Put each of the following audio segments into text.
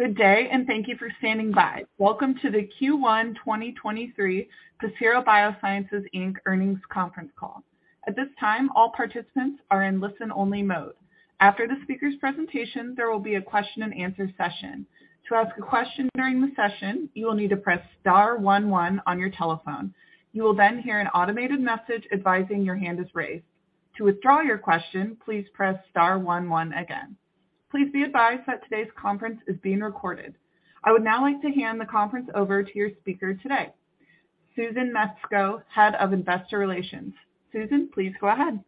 Good day. Thank you for standing by. Welcome to the Q1 2023 Pacira BioSciences Inc. Earnings Conference Call. At this time, all participants are in listen-only mode. After the speaker's presentation, there will be a question-and-answer session. To ask a question during the session, you will need to press star one, one on your telephone. You will hear an automated message advising your hand is raised. To withdraw your question, please press star one one again. Please be advised that today's conference is being recorded. I would now like to hand the conference over to your speaker today, Susan Mesco, Head of Investor Relations. Susan, please go ahead.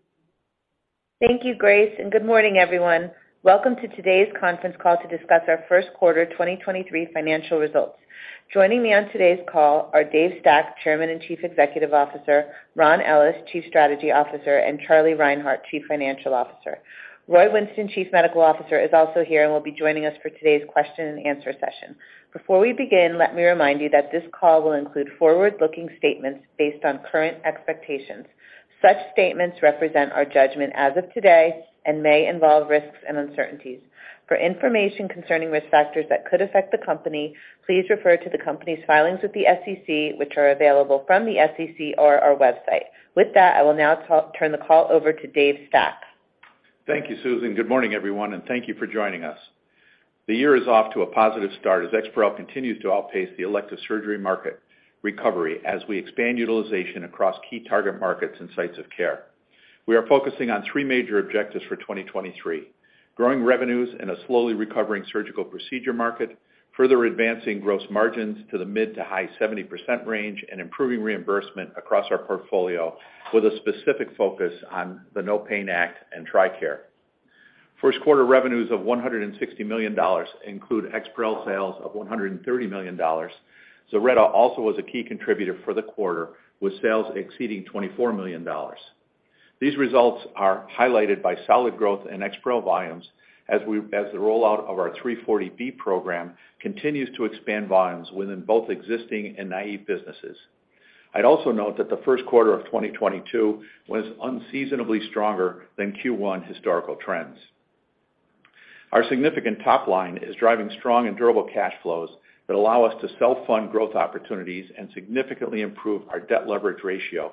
Thank you, Grace. Good morning, everyone. Welcome to today's conference call to discuss our first quarter 2023 financial results. Joining me on today's call are Dave Stack, Chairman and Chief Executive Officer, Ron Ellis, Chief Strategy Officer, and Charles Reinhart, Chief Financial Officer. Roy Winston, Chief Medical Officer, is also here and will be joining us for today's question-and-answer session. Before we begin, let me remind you that this call will include forward-looking statements based on current expectations. Such statements represent our judgment as of today and may involve risks and uncertainties. For information concerning risk factors that could affect the company, please refer to the company's filings with the SEC, which are available from the SEC or our website. With that, I will now turn the call over to Dave Stack. Thank you, Susan. Good morning, everyone, and thank you for joining us. The year is off to a positive start as EXPAREL continues to outpace the elective surgery market recovery as we expand utilization across key target markets and sites of care. We are focusing on three major objectives for 2023: growing revenues in a slowly recovering surgical procedure market, further advancing gross margins to the mid to high 70% range, and improving reimbursement across our portfolio with a specific focus on the NOPAIN Act and TRICARE. First quarter revenues of $160 million include EXPAREL sales of $130 million. ZILRETTA also was a key contributor for the quarter, with sales exceeding $24 million. These results are highlighted by solid growth in EXPAREL volumes as the rollout of our 340B program continues to expand volumes within both existing and naive businesses. I'd also note that the first quarter of 2022 was unseasonably stronger than Q1 historical trends. Our significant top line is driving strong and durable cash flows that allow us to self-fund growth opportunities and significantly improve our debt leverage ratio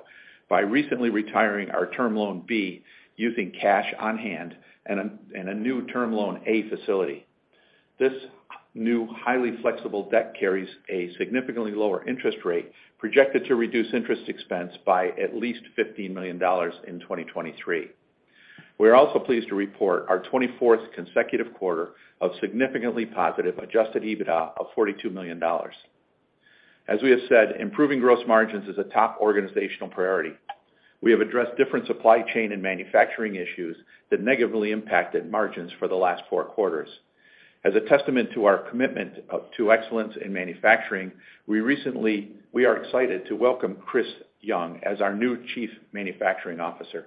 by recently retiring our Term Loan B using cash on-hand and a new Term Loan A facility. This new highly flexible debt carries a significantly lower interest rate, projected to reduce interest expense by at least $15 million in 2023. We are also pleased to report our 24th consecutive quarter of significantly positive adjusted EBITDA of $42 million. As we have said, improving gross margins is a top organizational priority. We have addressed different supply chain and manufacturing issues that negatively impacted margins for the last four quarters. As a testament to our commitment to excellence in manufacturing, we are excited to welcome Chris Young as our new Chief Manufacturing Officer.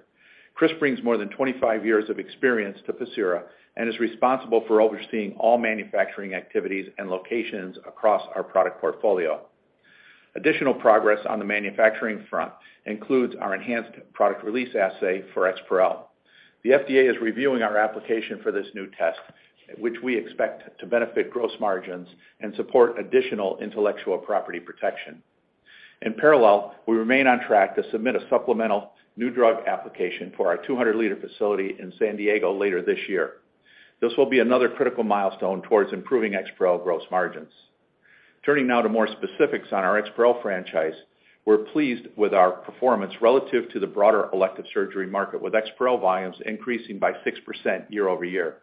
Chris brings more than 25 years of experience to Pacira and is responsible for overseeing all manufacturing activities and locations across our product portfolio. Additional progress on the manufacturing front includes our enhanced product release assay for EXPAREL. The FDA is reviewing our application for this new test, which we expect to benefit gross margins and support additional intellectual property protection. In parallel, we remain on track to submit a supplemental new drug application for our 200 liter facility in San Diego later this year. This will be another critical milestone towards improving EXPAREL gross margins. Turning now to more specifics on our EXPAREL franchise, we're pleased with our performance relative to the broader elective surgery market, with EXPAREL volumes increasing by 6% year-over-year.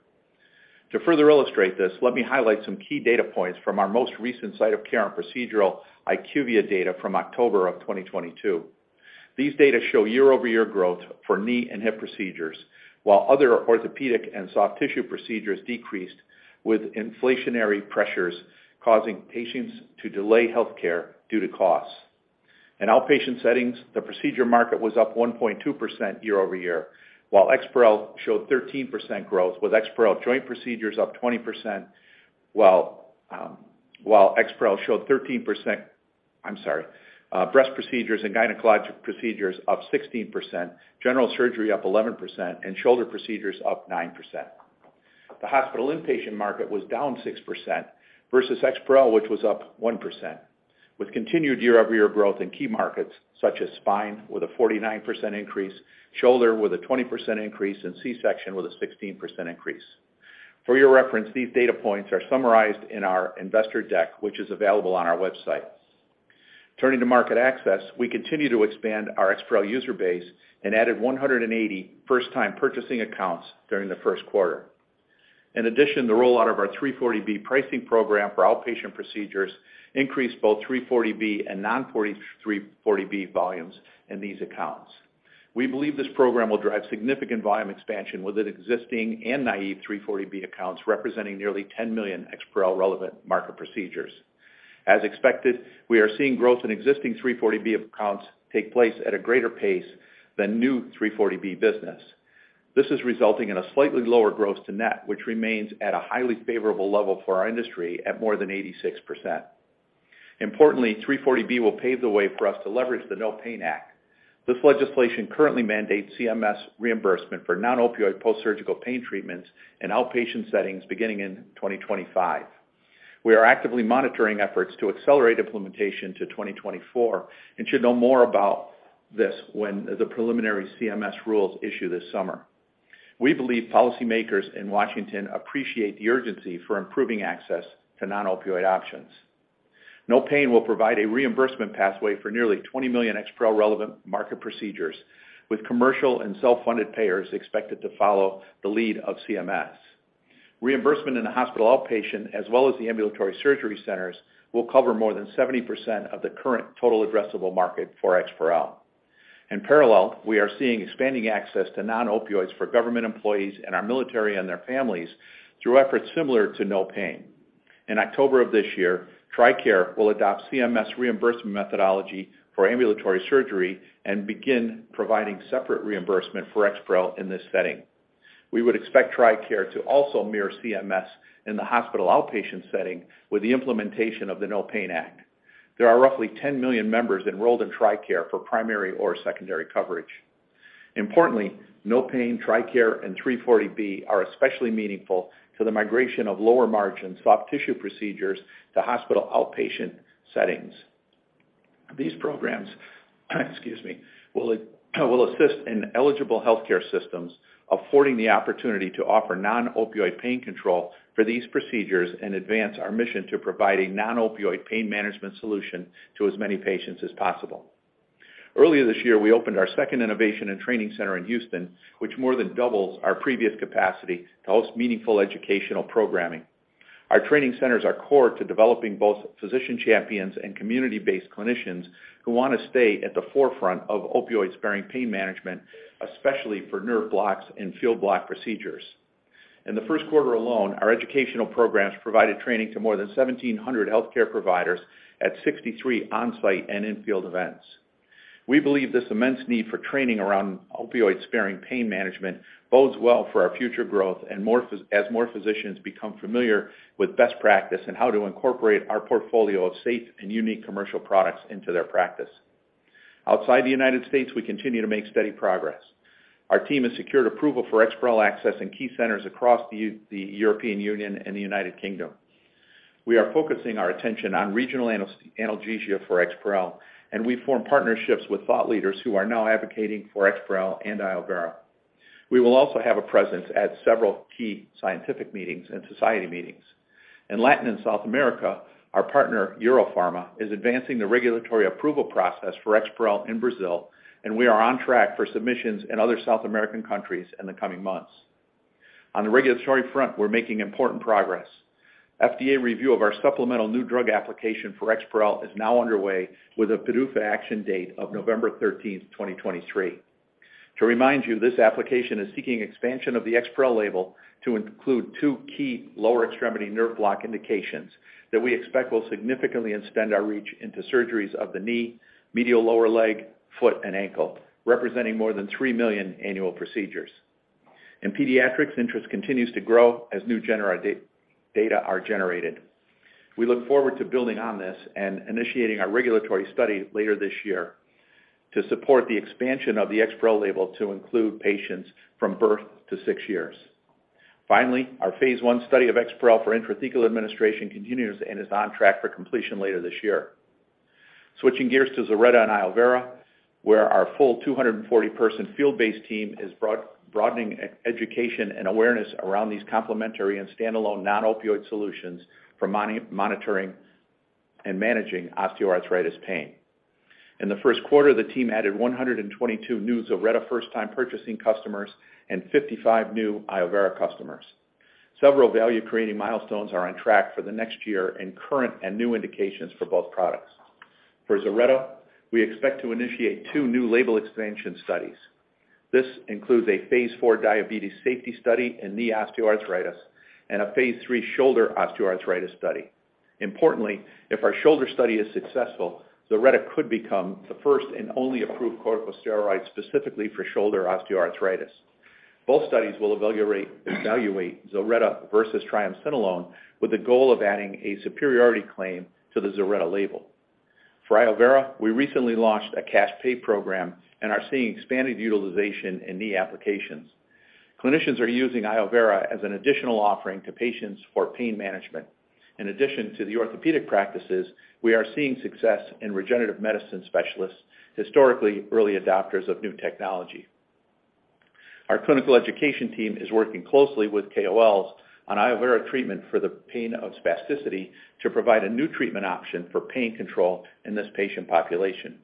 To further illustrate this, let me highlight some key data points from our most recent site of care and procedural IQVIA data from October 2022. These data show year-over-year growth for knee and hip procedures, while other orthopedic and soft tissue procedures decreased, with inflationary pressures causing patients to delay healthcare due to costs. In outpatient settings, the procedure market was up 1.2% year-over-year, while EXPAREL showed 13% growth. I'm sorry. Breast procedures and gynecologic procedures up 16%, general surgery up 11%, and shoulder procedures up 9%. The hospital inpatient market was down 6% versus EXPAREL, which was up 1%, with continued year-over-year growth in key markets such as spine, with a 49% increase, shoulder with a 20% increase, and C-section with a 16% increase. For your reference, these data points are summarized in our investor deck, which is available on our website. Turning to market access, we continue to expand our EXPAREL user base and added 180 first-time purchasing accounts during the first quarter. In addition, the rollout of our 340B pricing program for outpatient procedures increased both 340B and non-340B volumes in these accounts. We believe this program will drive significant volume expansion within existing and naive 340B accounts representing nearly 10 million EXPAREL relevant market procedures. As expected, we are seeing growth in existing 340B accounts take place at a greater pace than new 340B business. This is resulting in a slightly lower gross to net, which remains at a highly favorable level for our industry at more than 86%. Importantly, 340B will pave the way for us to leverage the NOPAIN Act. This legislation currently mandates CMS reimbursement for non-opioid post-surgical pain treatments in outpatient settings beginning in 2025. We are actively monitoring efforts to accelerate implementation to 2024 and should know more about this when the preliminary CMS rules issue this summer. We believe policymakers in Washington appreciate the urgency for improving access to non-opioid options. NOPAIN will provide a reimbursement pathway for nearly 20 million EXPAREL relevant market procedures, with commercial and self-funded payers expected to follow the lead of CMS. Reimbursement in the hospital outpatient as well as the ambulatory surgery centers will cover more than 70% of the current total addressable market for EXPAREL. In parallel, we are seeing expanding access to non-opioids for government employees and our military and their families through efforts similar to NOPAIN. In October of this year, TRICARE will adopt CMS reimbursement methodology for ambulatory surgery and begin providing separate reimbursement for EXPAREL in this setting. We would expect TRICARE to also mirror CMS in the hospital outpatient setting with the implementation of the NOPAIN Act. There are roughly 10 million members enrolled in TRICARE for primary or secondary coverage. Importantly, NOPAIN, TRICARE, and 340B are especially meaningful to the migration of lower-margin soft tissue procedures to hospital outpatient settings. These programs will assist in eligible healthcare systems affording the opportunity to offer non-opioid pain control for these procedures and advance our mission to provide a non-opioid pain management solution to as many patients as possible. Earlier this year, we opened our second innovation and training center in Houston, which more than doubles our previous capacity to host meaningful educational programming. Our training centers are core to developing both physician champions and community-based clinicians who want to stay at the forefront of opioid-sparing pain management, especially for nerve blocks and field block procedures. In the first quarter alone, our educational programs provided training to more than 1,700 healthcare providers at 63 on-site and in-field events. We believe this immense need for training around opioid-sparing pain management bodes well for our future growth as more physicians become familiar with best practice and how to incorporate our portfolio of safe and unique commercial products into their practice. Outside the U.S., we continue to make steady progress. Our team has secured approval for EXPAREL access in key centers across the European Union and the U.K. We are focusing our attention on regional analgesia for EXPAREL, we've formed partnerships with thought leaders who are now advocating for EXPAREL and iovera°. We will also have a presence at several key scientific meetings and society meetings. In Latin and South America, our partner Eurofarma is advancing the regulatory approval process for EXPAREL in Brazil, we are on track for submissions in other South American countries in the coming months. On the regulatory front, we're making important progress. FDA review of our supplemental new drug application for EXPAREL is now underway with a PDUFA action date of November 13, 2023. To remind you, this application is seeking expansion of the EXPAREL label to include two key lower extremity nerve block indications that we expect will significantly extend our reach into surgeries of the knee, medial lower leg, foot, and ankle, representing more than three million annual procedures. In pediatrics, interest continues to grow as new data are generated. We look forward to building on this and initiating our regulatory study later this year to support the expansion of the EXPAREL label to include patients from birth to six years. Finally, our phase I study of EXPAREL for intrathecal administration continues and is on track for completion later this year. Switching gears to ZILRETTA and iovera°, where our full 240-person field-based team is broadening education and awareness around these complementary and standalone non-opioid solutions for monitoring and managing osteoarthritis pain. In the first quarter, the team added 122 new ZILRETTA first-time purchasing customers and 55 new iovera° customers. Several value-creating milestones are on track for the next year in current and new indications for both products. For ZILRETTA, we expect to initiate two new label expansion studies. This includes a Phase IV diabetes safety study in knee osteoarthritis and a Phase III shoulder osteoarthritis study. Importantly, if our shoulder study is successful, ZILRETTA could become the first and only approved corticosteroid specifically for shoulder osteoarthritis. Both studies will evaluate ZILRETTA versus triamcinolone with the goal of adding a superiority claim to the ZILRETTA label. For iovera°, we recently launched a cash pay program and are seeing expanded utilization in knee applications. Clinicians are using iovera° as an additional offering to patients for pain management. In addition to the orthopedic practices, we are seeing success in regenerative medicine specialists, historically early adopters of new technology. Our clinical education team is working closely with KOLs on iovera° treatment for the pain of spasticity to provide a new treatment option for pain control in this patient population.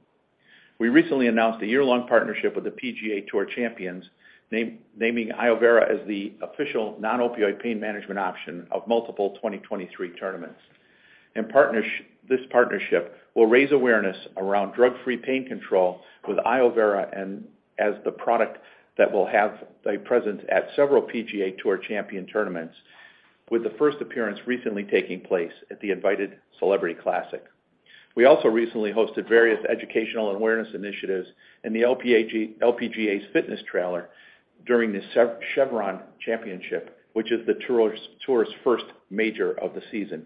We recently announced a year-long partnership with the PGA TOUR Champions, naming iovera° as the official non-opioid pain management option of multiple 2023 tournaments. This partnership will raise awareness around drug-free pain control with iovera° as the product that will have a presence at several PGA TOUR Champions tournaments, with the first appearance recently taking place at the Invited Celebrity Classic. We also recently hosted various educational and awareness initiatives in the LPGA's fitness trailer during the Chevron Championship, which is the tour's first major of the season.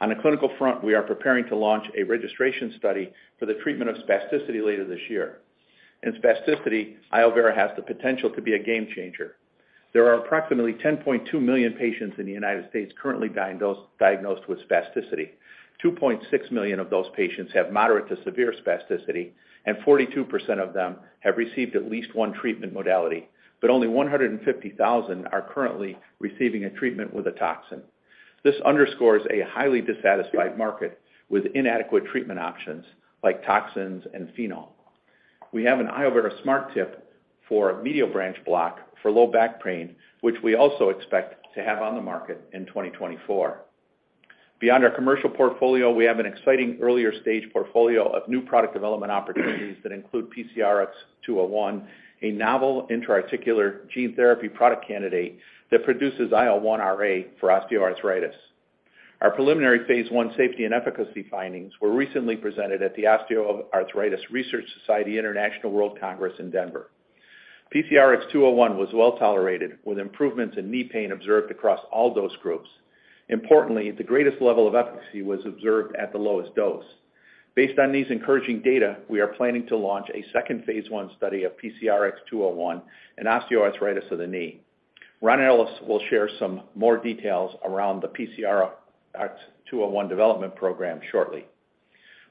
On the clinical front, we are preparing to launch a registration study for the treatment of spasticity later this year. In spasticity, iovera° has the potential to be a game changer. There are approximately 10.2 million patients in the United States currently diagnosed with spasticity. 2.6 million of those patients have moderate to severe spasticity, and 42% of them have received at least one treatment modality, but only 150,000 are currently receiving a treatment with a toxin. This underscores a highly dissatisfied market with inadequate treatment options like toxins and phenol. We have an iovera° Smart Tip for a medial branch block for low back pain, which we also expect to have on the market in 2024. Beyond our commercial portfolio, we have an exciting earlier stage portfolio of new product development opportunities that include PCRX-201, a novel intra-articular gene therapy product candidate that produces IL-1Ra for osteoarthritis. Our preliminary phase I safety and efficacy findings were recently presented at the Osteoarthritis Research Society International World Congress in Denver. PCRX-201 was well-tolerated, with improvements in knee pain observed across all dose groups. Importantly, the greatest level of efficacy was observed at the lowest dose. Based on these encouraging data, we are planning to launch a second phase I study of PCRX-201 in osteoarthritis of the knee. Ron Ellis will share some more details around the PCRX-201 development program shortly.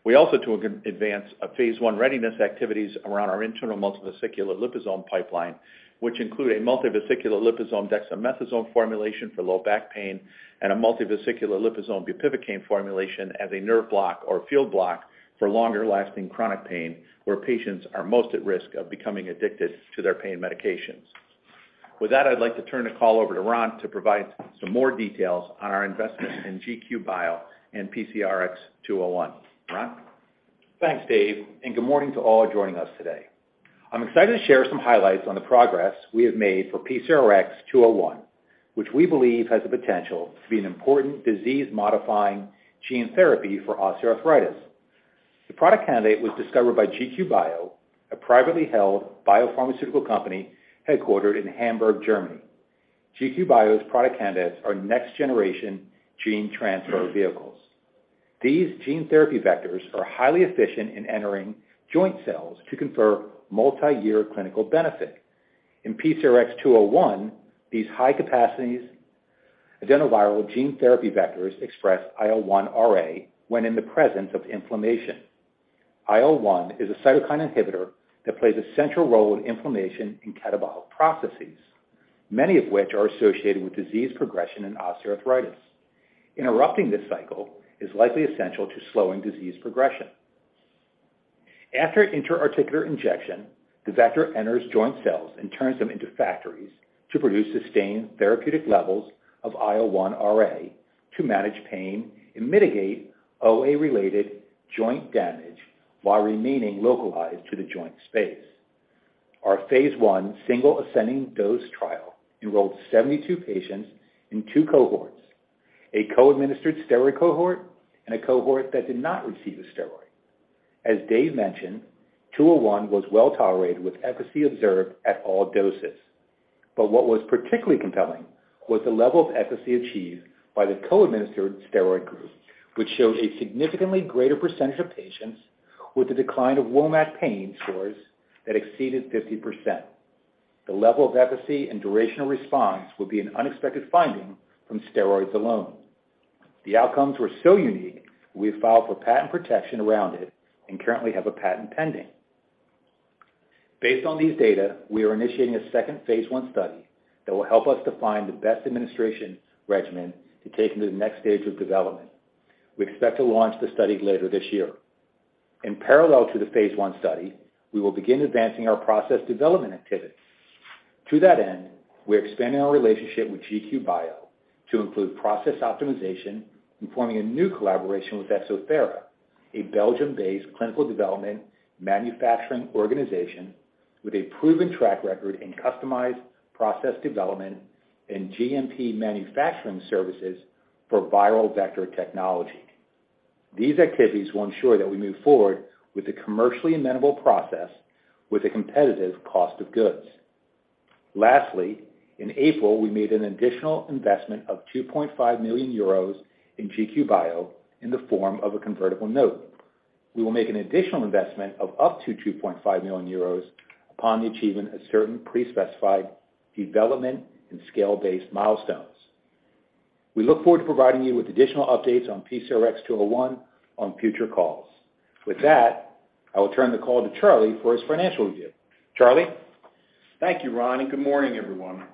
We also took an advance of Phase I readiness activities around our internal multivesicular liposome pipeline, which include a multivesicular liposome dexamethasone formulation for low back pain and a multivesicular liposome bupivacaine formulation as a nerve block or field block for longer-lasting chronic pain, where patients are most at risk of becoming addicted to their pain medications. With that, I'd like to turn the call over to Ron to provide some more details on our investment in GQ Bio and PCRX-201. Ron? Thanks, Dave, and good morning to all joining us today. I'm excited to share some highlights on the progress we have made for PCRX-201, which we believe has the potential to be an important disease-modifying gene therapy for osteoarthritis. The product candidate was discovered by GQ Bio, a privately held biopharmaceutical company headquartered in Hamburg, Germany. GQ Bio's product candidates are next-generation gene transfer vehicles. These gene therapy vectors are highly efficient in entering joint cells to confer multiyear clinical benefit. In PCRX-201, these high capacities adenoviral gene therapy vectors express IL-1Ra when in the presence of inflammation. IL-1 is a cytokine inhibitor that plays a central role in inflammation and catabolic processes, many of which are associated with disease progression in osteoarthritis. Interrupting this cycle is likely essential to slowing disease progression. After intra-articular injection, the vector enters joint cells and turns them into factories to produce sustained therapeutic levels of IL-1Ra to manage pain and mitigate OA-related joint damage while remaining localized to the joint space. Our phase I single ascending dose trial enrolled 72 patients in two cohorts: a co-administered steroid cohort and a cohort that did not receive a steroid. As Dave mentioned, 201 was well-tolerated with efficacy observed at all doses. What was particularly compelling was the level of efficacy achieved by the co-administered steroid group, which showed a significantly greater percentage of patients with a decline of WOMAC pain scores that exceeded 50%. The level of efficacy and durational response would be an unexpected finding from steroids alone. The outcomes were so unique, we filed for patent protection around it and currently have a patent pending. Based on these data, we are initiating a second phase I study that will help us define the best administration regimen to take into the next stage of development. We expect to launch the study later this year. In parallel to the phase I study, we will begin advancing our process development activities. To that end, we're expanding our relationship with GQ Bio to include process optimization and forming a new collaboration with Exothera, a Belgium-based clinical development manufacturing organization with a proven track record in customized process development and GMP manufacturing services for viral vector technology. These activities will ensure that we move forward with a commercially amenable process with a competitive cost of goods. Lastly, in April, we made an additional investment of 2.5 million euros in GQ Bio in the form of a convertible note. We will make an additional investment of up to 2.5 million euros upon the achievement of certain pre-specified development and scale-based milestones. We look forward to providing you with additional updates on PCRX-201 on future calls. With that, I will turn the call to Charlie for his financial review. Charlie? Thank you, Ron, and good morning, everyone.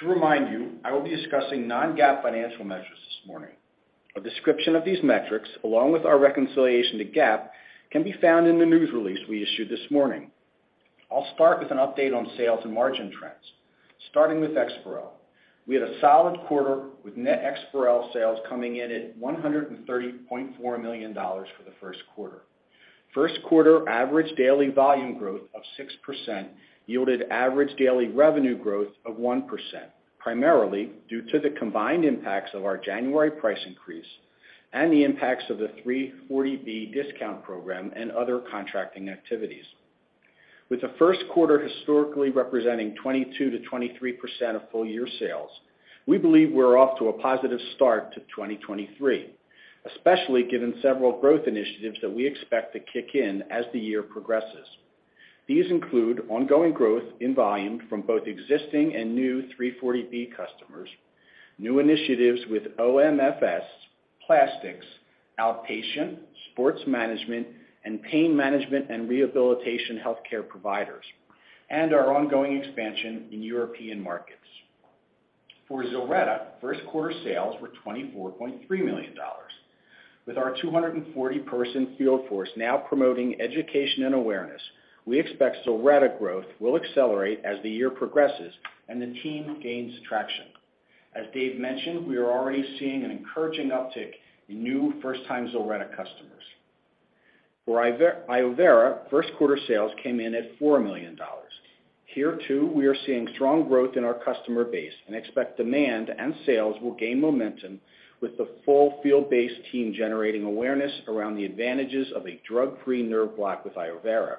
To remind you, I will be discussing non-GAAP financial measures this morning. A description of these metrics, along with our reconciliation to GAAP, can be found in the news release we issued this morning. I'll start with an update on sales and margin trends, starting with EXPAREL. We had a solid quarter with net EXPAREL sales coming in at $130.4 million for the first quarter. First quarter average daily volume growth of 6% yielded average daily revenue growth of 1%, primarily due to the combined impacts of our January price increase and the impacts of the 340B discount program and other contracting activities. With the first quarter historically representing 22%-23% of full year sales, we believe we're off to a positive start to 2023, especially given several growth initiatives that we expect to kick in as the year progresses. These include ongoing growth in volume from both existing and new 340B customers, new initiatives with OMFS, plastics, outpatient, sports management, and pain management and rehabilitation healthcare providers, and our ongoing expansion in European markets. For ZILRETTA, first quarter sales were $24.3 million. With our 240 person field force now promoting education and awareness, we expect ZILRETTA growth will accelerate as the year progresses and the team gains traction. As Dave mentioned, we are already seeing an encouraging uptick in new first time ZILRETTA customers. For iovera, first quarter sales came in at $4 million. Here too, we are seeing strong growth in our customer base and expect demand and sales will gain momentum with the full field-based team generating awareness around the advantages of a drug-free nerve block with iovera°.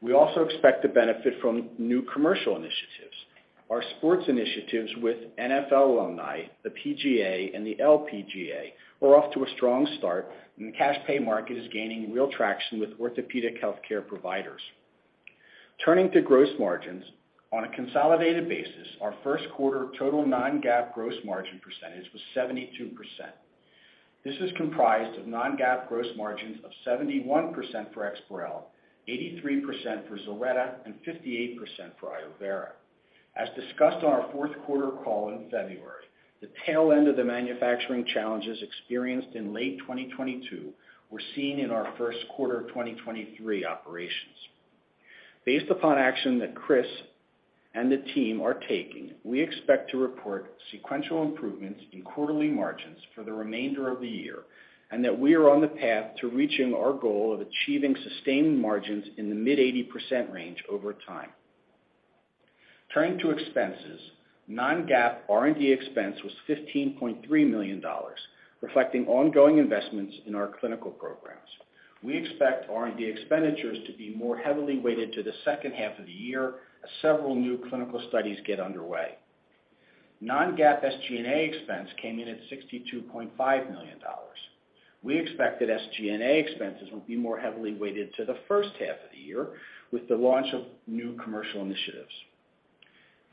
We also expect to benefit from new commercial initiatives. Our sports initiatives with NFL alumni, the PGA and the LPGA were off to a strong start, and the cash pay market is gaining real traction with orthopedic healthcare providers. Turning to gross margins. On a consolidated basis, our first quarter total non-GAAP gross margin percentage was 72%. This is comprised of non-GAAP gross margins of 71% for EXPAREL, 83% for ZILRETTA, and 58% for iovera°. As discussed on our fourth quarter call in February, the tail end of the manufacturing challenges experienced in late 2022 were seen in our first quarter of 2023 operations. Based upon action that Chris and the team are taking, we expect to report sequential improvements in quarterly margins for the remainder of the year, we are on the path to reaching our goal of achieving sustained margins in the mid 80% range over time. Turning to expenses. Non-GAAP R&D expense was $15.3 million, reflecting ongoing investments in our clinical programs. We expect R&D expenditures to be more heavily weighted to the second half of the year as several new clinical studies get underway. Non-GAAP SG&A expense came in at $62.5 million. We expect that SG&A expenses will be more heavily weighted to the first half of the year with the launch of new commercial initiatives.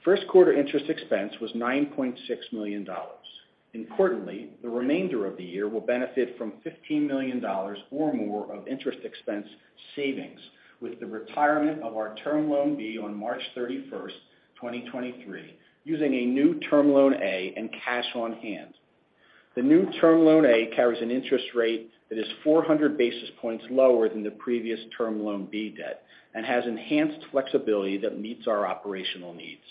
First quarter interest expense was $9.6 million. Importantly, the remainder of the year will benefit from $15 million or more of interest expense savings with the retirement of our term loan B on March 31, 2023, using a new term loan A and cash on hand. The new term loan A carries an interest rate that is 400 basis points lower than the previous term loan B debt and has enhanced flexibility that meets our operational needs.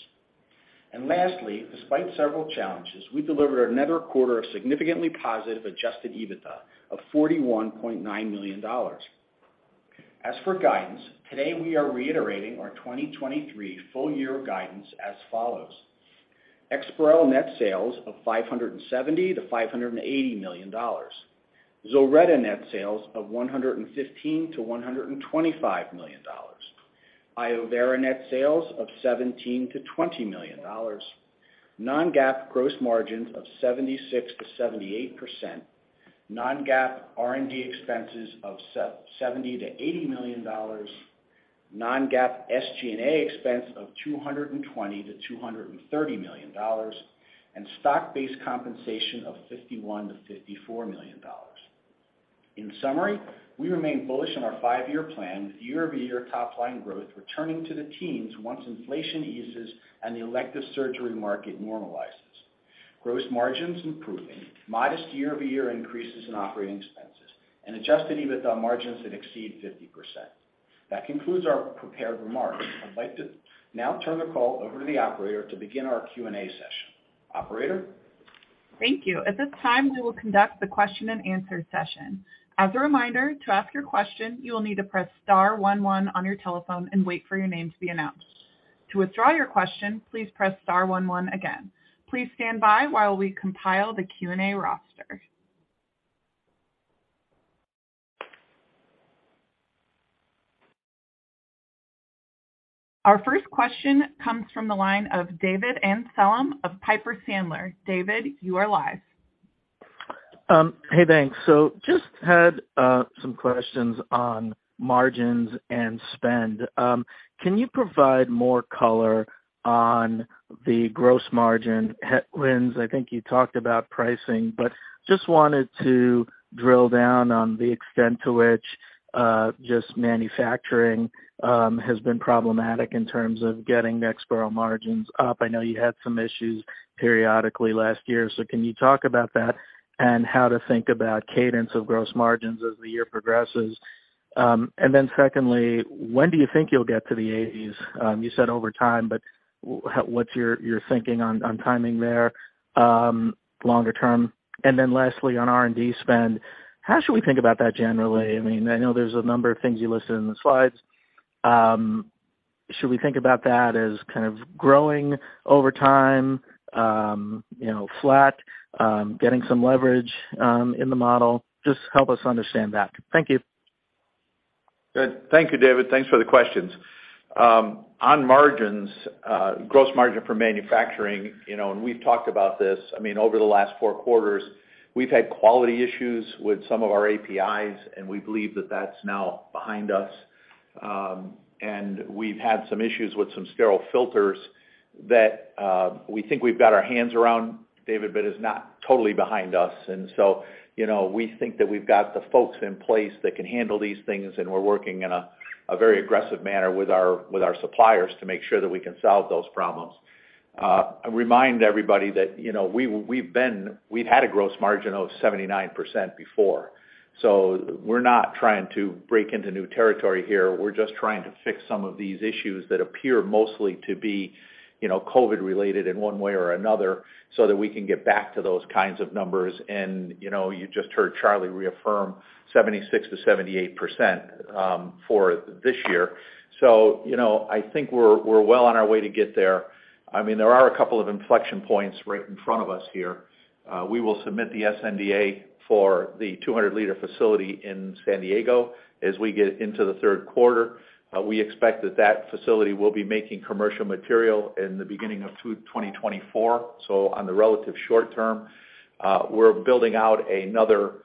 Lastly, despite several challenges, we delivered another quarter of significantly positive adjusted EBITDA of $41.9 million. As for guidance, today we are reiterating our 2023 full year guidance as follows: EXPAREL net sales of $570-580 million, ZILRETTA net sales of $115 -125 million, iovera° net sales of $17 -20 million, non-GAAP gross margins of 76%-78%, non-GAAP R&D expenses of $70 -80 million, non-GAAP SG&A expense of $220 -230 million, stock-based compensation of $51-54 million. In summary, we remain bullish on our five-year plan with year-over-year top line growth returning to the teens once inflation eases and the elective surgery market normalizes, gross margins improving, modest year-over-year increases in operating expenses, and adjusted EBITDA margins that exceed 50%. That concludes our prepared remarks. I'd like to now turn the call over to the operator to begin our Q&A session. Operator? Thank you. At this time, we will conduct the question-and-answer session. As a reminder, to ask your question, you will need to press star one one on your telephone and wait for your name to be announced. To withdraw your question, please press star one one again. Please stand by while we compile the Q&A roster. Our first question comes from the line of David Amsellem of Piper Sandler. David, you are live. Hey, thanks. Just had some questions on margins and spend. Can you provide more color on the gross margin headwinds? I think you talked about pricing, but just wanted to drill down on the extent to which manufacturing has been problematic in terms of getting the EXPAREL margins up. I know you had some issues periodically last year. Can you talk about that and how to think about cadence of gross margins as the year progresses? Secondly, when do you think you'll get to the eighties? You said over time, what's your thinking on timing there, longer term? Lastly, on R&D spend, how should we think about that generally? I mean, I know there's a number of things you listed in the slides. Should we think about that as kind of growing over time, you know, flat, getting some leverage in the model? Just help us understand that. Thank you. Good. Thank you, David. Thanks for the questions. On margins, gross margin for manufacturing, you know, we've talked about this, I mean, over the last four quarters, we've had quality issues with some of our APIs, we believe that that's now behind us. We've had some issues with some sterile filters that we think we've got our hands around, David, but is not totally behind us. You know, we think that we've got the folks in place that can handle these things, we're working in a very aggressive manner with our suppliers to make sure that we can solve those problems. I remind everybody that, you know, we've had a gross margin of 79% before, we're not trying to break into new territory here. We're just trying to fix some of these issues that appear mostly to be, you know, COVID related in one way or another, so that we can get back to those kinds of numbers. You know, you just heard Charlie reaffirm 76%-78% for this year. You know, I think we're well on our way to get there. I mean, there are a couple of inflection points right in front of us here. We will submit the sNDA for the 200 liter facility in San Diego as we get into the third quarter. We expect that that facility will be making commercial material in the beginning of 2024, so on the relative short term. We're building out another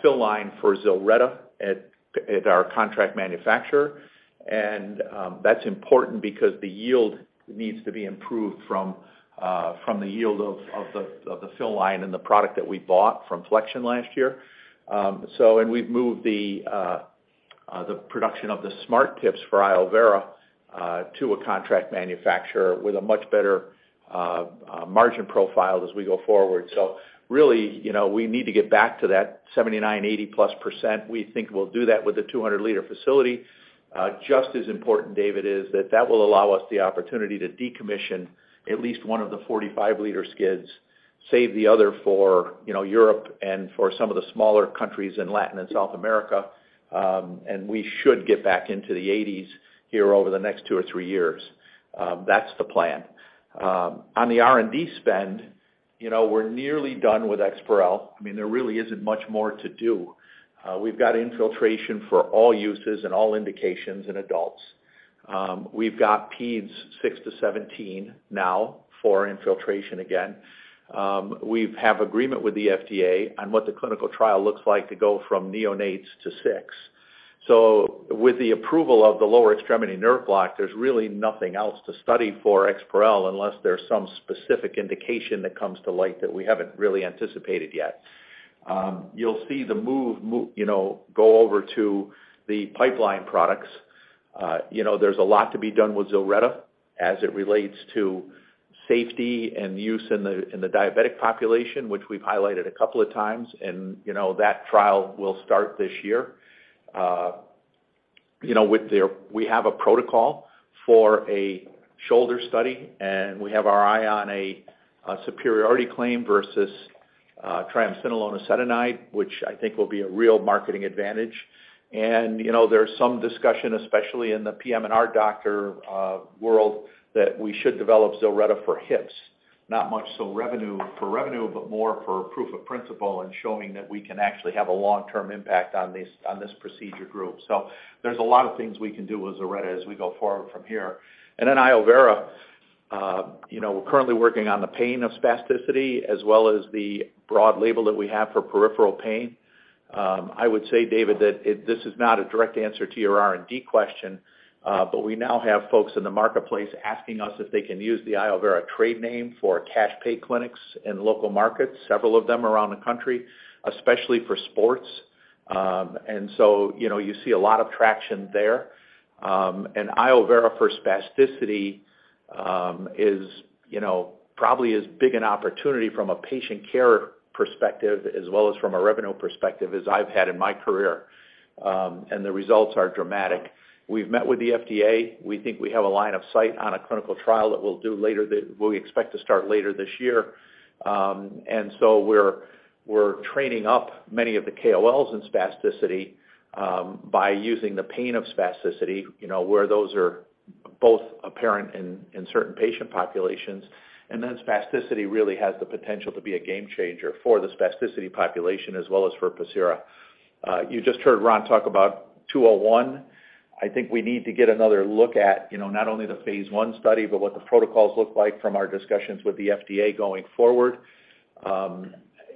fill line for ZILRETTA at our contract manufacturer. That's important because the yield needs to be improved from the yield of the fill line and the product that we bought from Flexion last year. We've moved the production of the Smart Tips for iovera° to a contract manufacturer with a much better margin profile as we go forward. Really, you know, we need to get back to that 79%, 80+%. We think we'll do that with the 200 liter facility. Just as important, David, is that that will allow us the opportunity to decommission at least one of the 45 liter skids, save the other for, you know, Europe and for some of the smaller countries in Latin and South America. We should get back into the 80s here over the next two or three years. That's the plan. On the R&D spend, you know, we're nearly done with EXPAREL. I mean, there really isn't much more to do. We've got infiltration for all uses and all indications in adults. We've got peds six to 17 now for infiltration again. We've have agreement with the FDA on what the clinical trial looks like to go from neonates to six. With the approval of the lower extremity nerve block, there's really nothing else to study for EXPAREL unless there's some specific indication that comes to light that we haven't really anticipated yet. You'll see the move you know, go over to the pipeline products. You know, there's a lot to be done with ZILRETTA as it relates to safety and use in the diabetic population, which we've highlighted a couple of times. You know, that trial will start this year. You know, with their we have a protocol for a shoulder study, and we have our eye on a superiority claim versus triamcinolone acetonide, which I think will be a real marketing advantage. You know, there's some discussion, especially in the PM&R doctor world, that we should develop ZILRETTA for hips, not much so revenue, for revenue, but more for proof of principle and showing that we can actually have a long-term impact on this procedure group. There's a lot of things we can do with ZILRETTA as we go forward from here. iovera°, you know, we're currently working on the pain of spasticity as well as the broad label that we have for peripheral pain. I would say, David, that this is not a direct answer to your R&D question, but we now have folks in the marketplace asking us if they can use the iovera° trade name for cash pay clinics in local markets, several of them around the country, especially for sports. So, you know, you see a lot of traction there. iovera° for spasticity is, you know, probably as big an opportunity from a patient care perspective as well as from a revenue perspective as I've had in my career. The results are dramatic. We've met with the FDA. We think we have a line of sight on a clinical trial that we expect to start later this year. We're training up many of the KOLs in spasticity, by using the pain of spasticity, you know, where those are both apparent in certain patient populations. Spasticity really has the potential to be a game changer for the spasticity population as well as for Pacira. You just heard Ron talk about 201. I think we need to get another look at, you know, not only the phase I study, but what the protocols look like from our discussions with the FDA going forward.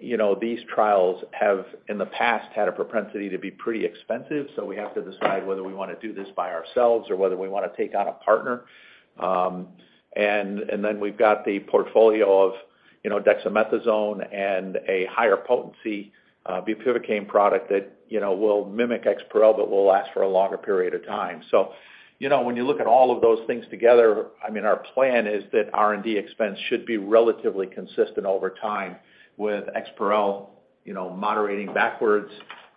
You know, these trials have, in the past, had a propensity to be pretty expensive, so we wanna decide whether we wanna do this by ourselves or whether we wanna take on a partner. Then we've got the portfolio of, you know, dexamethasone and a higher potency, bupivacaine product that, you know, will mimic EXPAREL but will last for a longer period of time. You know, when you look at all of those things together, I mean, our plan is that R&D expense should be relatively consistent over time with EXPAREL, you know, moderating backwards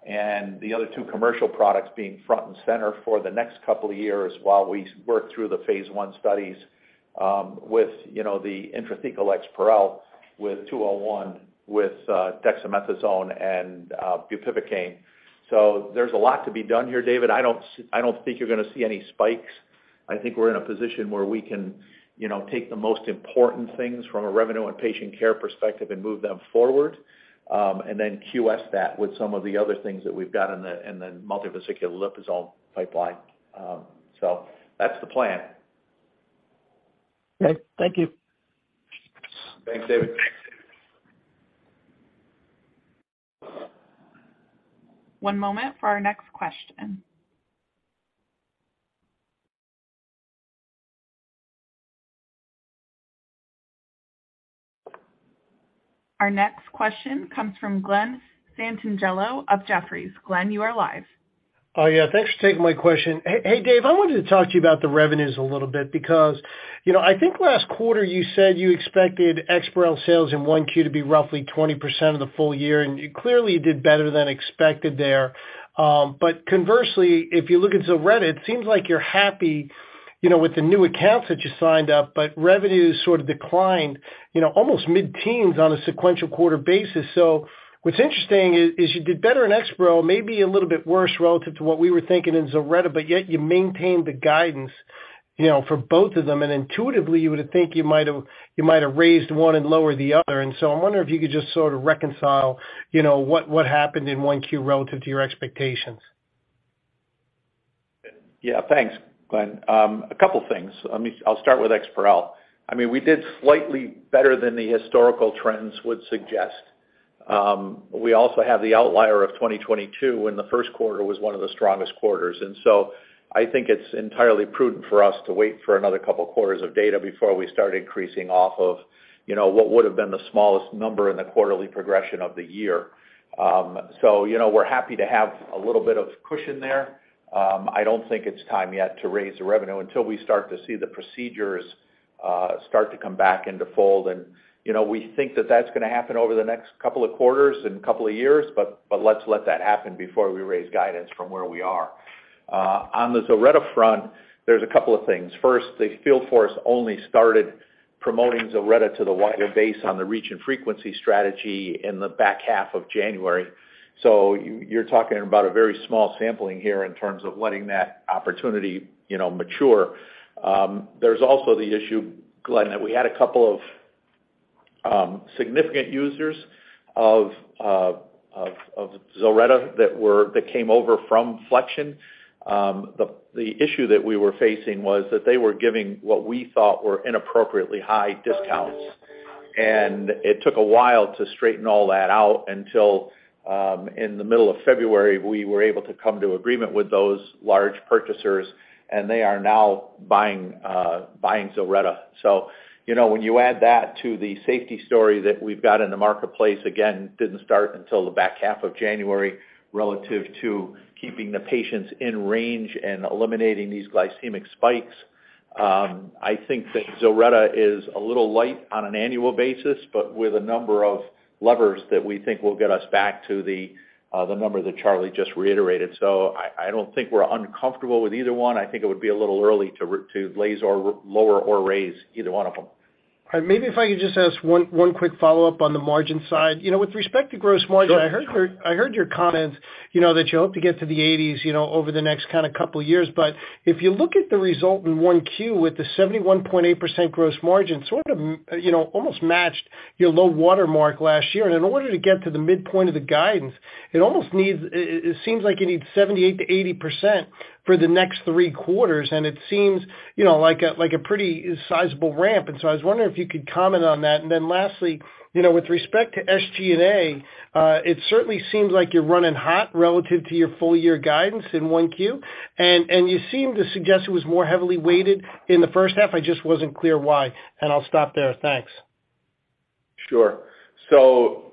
and the other two commercial products being front and center for the next couple of years while we work through the phase I studies, with, you know, the intrathecal EXPAREL with PCRX-201, with, dexamethasone and, bupivacaine. There's a lot to be done here, David. I don't think you're gonna see any spikes. I think we're in a position where we can, you know, take the most important things from a revenue and patient care perspective and move them forward, QS that with some of the other things that we've got in the, in the multivesicular liposomal pipeline. That's the plan. Okay. Thank you. Thanks, David. One moment for our next question. Our next question comes from Glen Santangelo of Jefferies. Glen, you are live. Yeah. Thanks for taking my question. Hey, Dave, I wanted to talk to you about the revenues a little bit because, you know, I think last quarter you said you expected EXPAREL sales in 1Q to be roughly 20% of the full year. You clearly did better than expected there. Conversely, if you look at ZILRETTA, it seems like you're happy, you know, with the new accounts that you signed up, but revenue sort of declined, you know, almost mid-teens on a sequential quarter basis. What's interesting is you did better in EXPAREL, maybe a little bit worse relative to what we were thinking in ZILRETTA, but yet you maintained the guidance, you know, for both of them. Intuitively, you might have raised one and lowered the other. I'm wondering if you could just sort of reconcile, you know, what happened in 1Q relative to your expectations? Yeah. Thanks, Glen. A couple of things. I'll start with EXPAREL. I mean, we did slightly better than the historical trends would suggest. We also have the outlier of 2022 when the first quarter was one of the strongest quarters. I think it's entirely prudent for us to wait for another couple of quarters of data before we start increasing off of, you know, what would have been the smallest number in the quarterly progression of the year. You know, we're happy to have a little bit of cushion there. I don't think it's time yet to raise the revenue until we start to see the procedures start to come back into fold. You know, we think that that's going to happen over the next two quarters and two years, but let's let that happen before we raise guidance from where we are. On the ZILRETTA front, there's two things. First, the field force only started promoting ZILRETTA to the wider base on the reach and frequency strategy in the back half of January. You're talking about a very small sampling here in terms of letting that opportunity, you know, mature. There's also the issue, Glen, that we had two significant users of ZILRETTA that came over from Flexion. The issue that we were facing was that they were giving what we thought were inappropriately high discounts, and it took a while to straighten all that out until, in the middle of February, we were able to come to agreement with those large purchasers, and they are now buying ZILRETTA. You know, when you add that to the safety story that we've got in the marketplace, again, didn't start until the back half of January, relative to keeping the patients in range and eliminating these glycemic spikes. I think that ZILRETTA is a little light on an annual basis, but with a number of levers that we think will get us back to the number that Charlie just reiterated. I don't think we're uncomfortable with either one. I think it would be a little early to lase or lower or raise either one of them. Maybe if I could just ask one quick follow-up on the margin side. You know, with respect to gross margin. Sure. I heard your comments, you know, that you hope to get to the 80s, you know, over the next kind of couple of years. If you look at the result in 1Q with the 71.8% gross margin, sort of, you know, almost matched your low water mark last year. In order to get to the midpoint of the guidance, it seems like you need 78%-80% for the next three quarters, and it seems, you know, like a, like a pretty sizable ramp. I was wondering if you could comment on that. Then lastly, you know, with respect to SG&A, it certainly seems like you're running hot relative to your full year guidance in 1Q, and you seem to suggest it was more heavily weighted in the first half. I just wasn't clear why. I'll stop there. Thanks. Sure.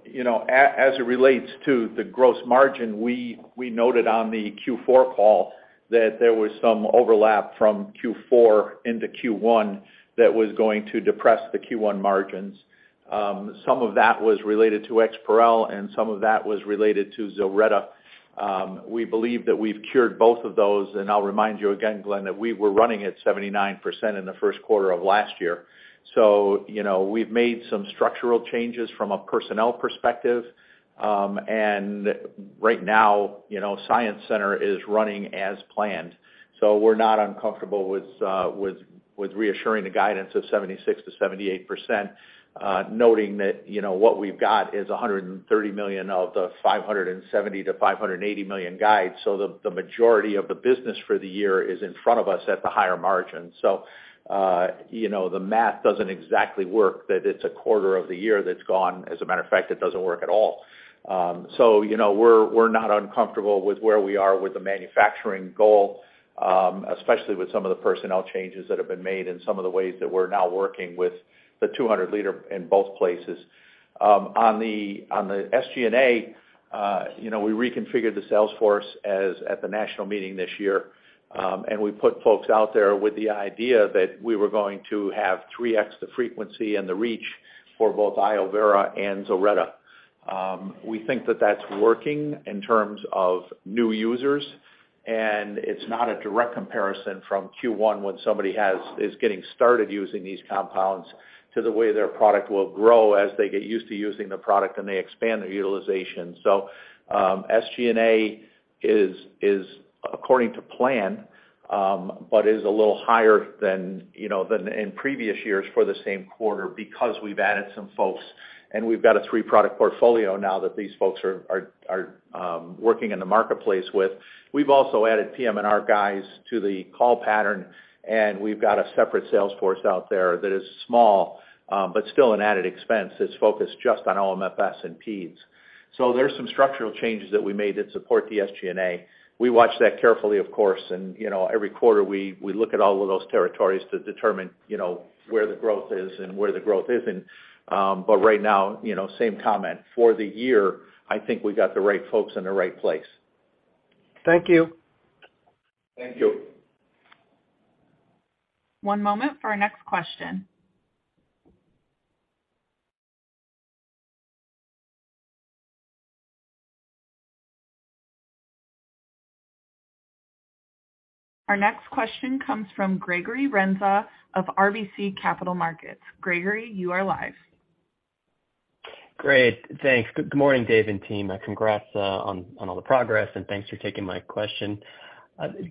you know, as it relates to the gross margin, we noted on the Q4 call that there was some overlap from Q4 into Q1 that was going to depress the Q1 margins. Some of that was related to EXPAREL, and some of that was related to ZILRETTA. We believe that we've cured both of those. I'll remind you again, Glenn, that we were running at 79% in the first quarter of last year. you know, we've made some structural changes from a personnel perspective. right now, you know, science center is running as planned. We're not uncomfortable with reassuring the guidance of 76%-78%, noting that, you know, what we've got is $130 million of the $570-580 million guide. The majority of the business for the year is in front of us at the higher margin. You know, the math doesn't exactly work that it's a quarter of the year that's gone. As a matter of fact, it doesn't work at all. You know, we're not uncomfortable with where we are with the manufacturing goal, especially with some of the personnel changes that have been made and some of the ways that we're now working with the 200 leader in both places. On the SG&A, you know, we reconfigured the sales force as at the national meeting this year, and we put folks out there with the idea that we were going to have 3x the frequency and the reach for both iovera° and ZILRETTA. We think that that's working in terms of new users, and it's not a direct comparison from Q1 when somebody is getting started using these compounds to the way their product will grow as they get used to using the product and they expand their utilization. SG&A is according to plan, but is a little higher than, you know, than in previous years for the same quarter because we've added some folks, and we've got a three-product portfolio now that these folks are working in the marketplace with. We've also added PM&R guys to the call pattern, and we've got a separate sales force out there that is small, but still an added expense that's focused just on OMFS and Peds. There's some structural changes that we made that support the SG&A. We watch that carefully, of course. You know, every quarter, we look at all of those territories to determine, you know, where the growth is and where the growth isn't. Right now, you know, same comment. For the year, I think we've got the right folks in the right place. Thank you. Thank you. One moment for our next question. Our next question comes from Gregory Renza of RBC Capital Markets. Gregory, you are live. Great. Thanks. Good morning, Dave and team. Congrats on all the progress, and thanks for taking my question.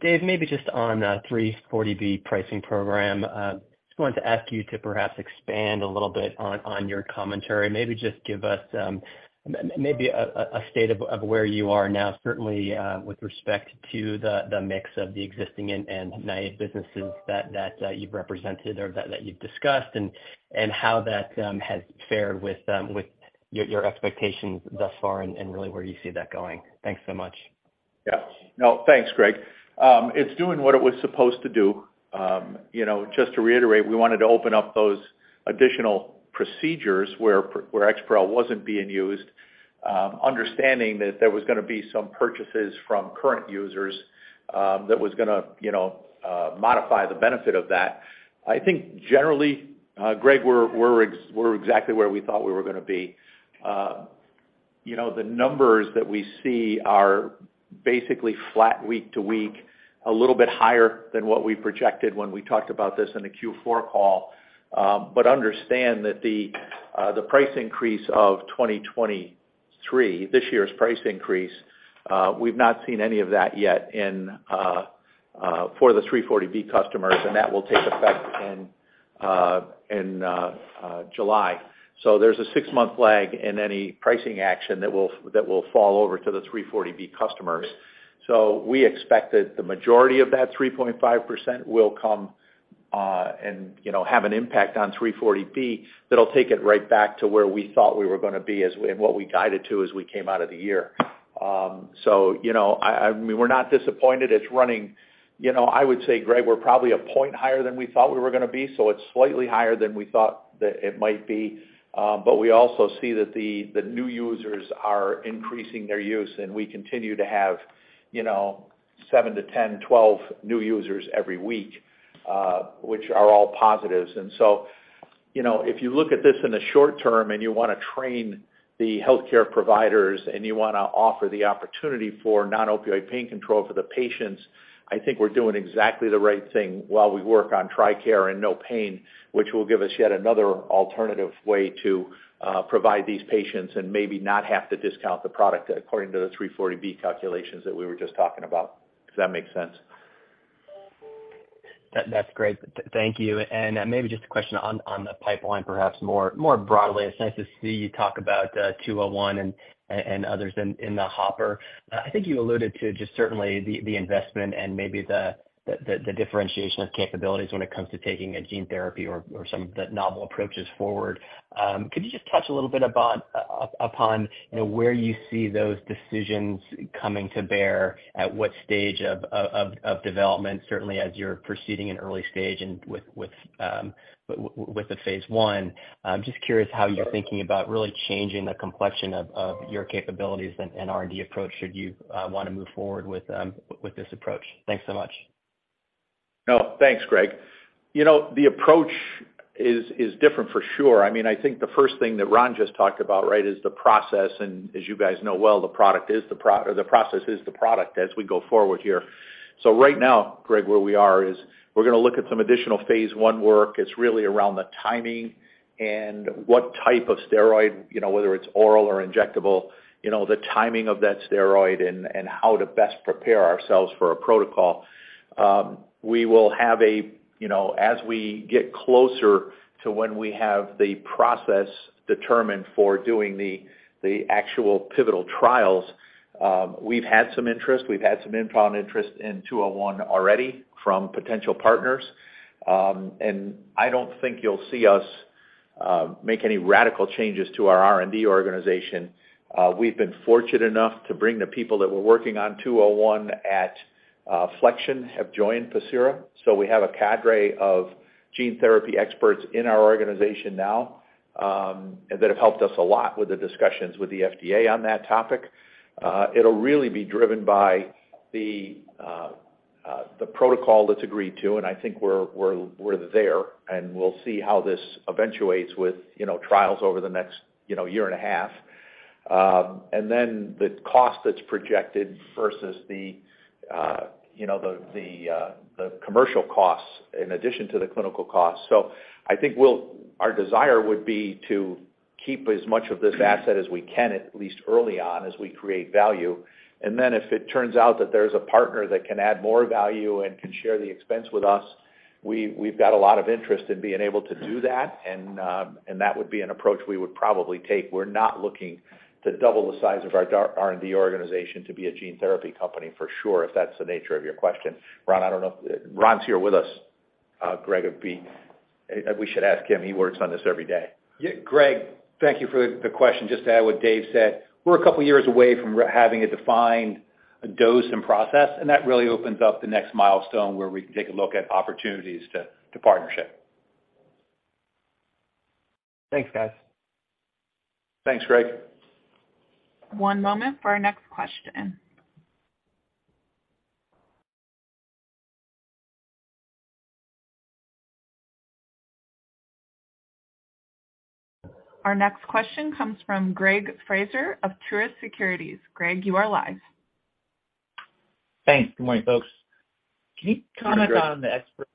Dave, maybe just on 340B pricing program, just wanted to ask you to perhaps expand a little bit on your commentary. Maybe just give us a state of where you are now, certainly, with respect to the mix of the existing and naive businesses that you've represented or that you've discussed and how that has fared with your expectations thus far and really where you see that going. Thanks so much. Yeah. No, thanks, Gregg. It's doing what it was supposed to do. You know, just to reiterate, we wanted to open up those additional procedures where EXPAREL wasn't being used, understanding that there was gonna be some purchases from current users, that was gonna, you know, modify the benefit of that. I think generally, Greg, we're exactly where we thought we were gonna be. You know, the numbers that we see are basically flat week to week, a little bit higher than what we projected when we talked about this in the Q4 call. Understand that the price increase of 2023, this year's price increase, we've not seen any of that yet in for the 340B customers, that will take effect in July. There's a six-month lag in any pricing action that will fall over to the 340B customers. We expect that the majority of that 3.5% will come, you know, and have an impact on 340B that'll take it right back to where we thought we were gonna be and what we guided to as we came out of the year. We were not disappointed. It's running... You know, I would say, Greg, we're probably a point higher than we thought we were gonna be, so it's slightly higher than we thought that it might be. We also see that the new users are increasing their use, and we continue to have, you know, seven to 10, 12 new users every week, which are all positives. You know, if you look at this in the short term and you wanna train the healthcare providers and you wanna offer the opportunity for non-opioid pain control for the patients, I think we're doing exactly the right thing while we work on TRICARE and NOPAIN, which will give us yet another alternative way to provide these patients and maybe not have to discount the product according to the 340B calculations that we were just talking about. Does that make sense? That's great. Thank you. Maybe just a question on the pipeline, perhaps more broadly. It's nice to see you talk about 201 and others in the hopper. I think you alluded to just certainly the investment and maybe the differentiation of capabilities when it comes to taking a gene therapy or some of the novel approaches forward. Could you just touch a little bit about upon, you know, where you see those decisions coming to bear, at what stage of development, certainly as you're proceeding in early stage and with the phase I? I'm just curious how you're thinking about really changing the complexion of your capabilities and R&D approach should you wanna move forward with this approach. Thanks so much. No, thanks, Greg. You know, the approach is different for sure. I mean, I think the first thing that Ron just talked about, right, is the process. As you guys know well, the process is the product as we go forward here. Right now, Greg, where we are is we're gonna look at some additional phase I work. It's really around the timing and what type of steroid, you know, whether it's oral or injectable, you know, the timing of that steroid and how to best prepare ourselves for a protocol. We will have a, you know, as we get closer to when we have the process determined for doing the actual pivotal trials, we've had some interest. We've had some inbound interest in 201 already from potential partners. I don't think you'll see us make any radical changes to our R&D organization. We've been fortunate enough to bring the people that were working on PCRX-201 at Flexion have joined Pacira. We have a cadre of gene therapy experts in our organization now that have helped us a lot with the discussions with the FDA on that topic. It'll really be driven by the protocol that's agreed to, I think we're there, and we'll see how this eventuates with, you know, trials over the next, you know, year and a half. The cost that's projected versus the commercial costs in addition to the clinical costs. I think our desire would be to keep as much of this asset as we can, at least early on, as we create value. Then if it turns out that there's a partner that can add more value and can share the expense with us, we've got a lot of interest in being able to do that. That would be an approach we would probably take. We're not looking to double the size of our R&D organization to be a gene therapy company, for sure, if that's the nature of your question. Ron, I don't know Ron's here with us. Greg, we should ask him. He works on this every day. Yeah, Gregg, thank you for the question. Just to add what Dave said, we're a couple of years away from having a defined dose and process, and that really opens up the next milestone where we can take a look at opportunities to partnership. Thanks, guys. Thanks, Greg. One moment for our next question. Our next question comes from Gregg Fraser of Truist Securities. Gregg, you are live. Thanks. Good morning, folks. Can you comment on the EXPAREL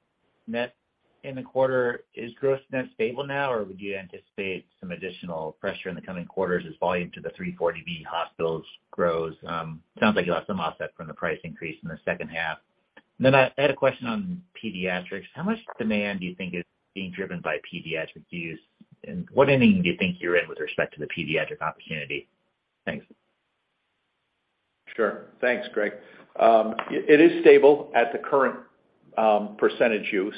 net in the quarter? Is gross net stable now, or would you anticipate some additional pressure in the coming quarters as volume to the 340B hospitals grows? Sounds like you have some offset from the price increase in the second half. I had a question on pediatrics. How much demand do you think is being driven by pediatric use, and what inning do you think you're in with respect to the pediatric opportunity? Thanks. Sure. Thanks, Greg. It is stable at the current percentage use.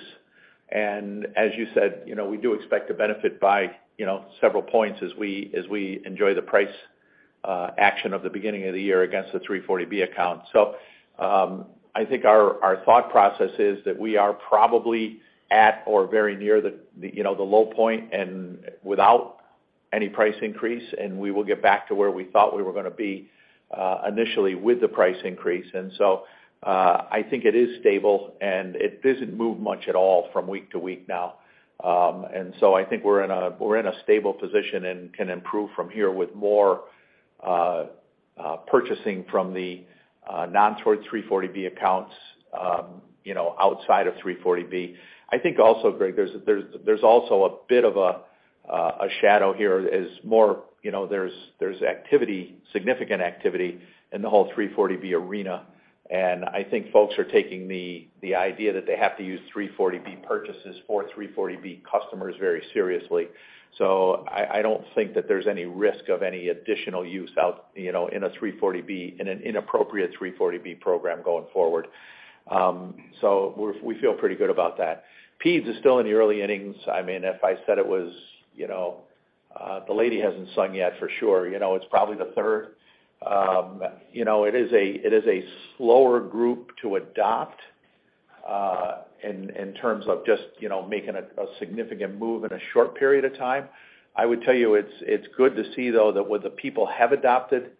As you said, you know, we do expect to benefit by, you know, several points as we enjoy the price action of the beginning of the year against the 340B account. I think our thought process is that we are probably at or very near the low point and without any price increase, and we will get back to where we thought we were gonna be initially with the price increase. I think it is stable, and it doesn't move much at all from week to week now. I think we're in a stable position and can improve from here with more purchasing from the non-340B accounts, you know, outside of 340B. I think also, Greg, there's also a bit of a shadow here as more, you know, there's activity, significant activity in the whole 340B arena. I think folks are taking the idea that they have to use 340B purchases for 340B customers very seriously. I don't think that there's any risk of any additional use out, you know, in an inappropriate 340B program going forward. We feel pretty good about that. Peds is still in the early innings. I mean, if I said it was, you know, the lady hasn't sung yet for sure. You know, it's probably the third. You know, it is a slower group to adopt, in terms of just, you know, making a significant move in a short period of time. I would tell you it's good to see, though, that when the people have adopted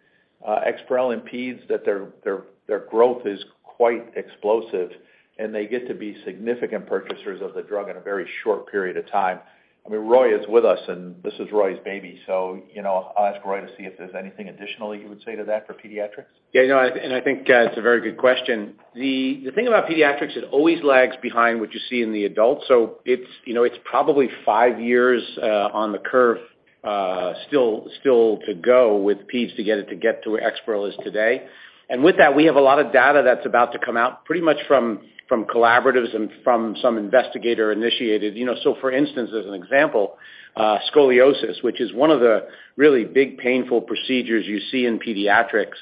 EXPAREL in peds, that their growth is quite explosive, and they get to be significant purchasers of the drug in a very short period of time. I mean, Roy is with us, and this is Roy's baby. You know, I'll ask Roy to see if there's anything additionally you would say to that for pediatrics. Yeah, you know, I think it's a very good question. The thing about pediatrics, it always lags behind what you see in the adults. It's, you know, it's probably five years on the curve still to go with peds to get to where EXPAREL is today. With that, we have a lot of data that's about to come out pretty much from collaboratives and from some investigator initiated, you know. For instance, as an example, scoliosis, which is one of the really big painful procedures you see in pediatrics,